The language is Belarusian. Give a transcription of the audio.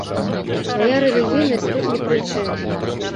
Мая рэлігійнасць тут не пры чым.